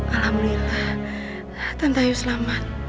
alhamdulillah tante ayu selamat